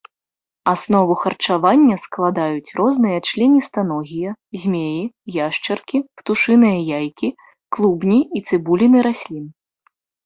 Аснову харчавання складаюць розныя членістаногія, змеі, яшчаркі, птушыныя яйкі, клубні і цыбуліны раслін.